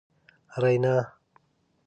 رینا